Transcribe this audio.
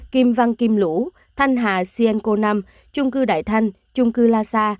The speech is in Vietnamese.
kim văn kim lũ thanh hà sien co năm chung cư đại thanh chung cư la sa